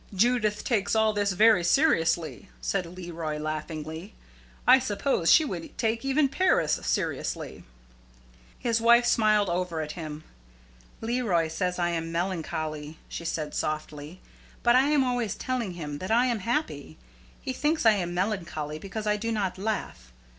"Judith takes all this very seriously," said Leroy, laughingly. "I suppose she would take even Paris seriously." His wife smiled over at him. "Leroy says I am melancholy," she said, softly; "but I am always telling him that I am happy. He thinks I am melancholy because I do not laugh.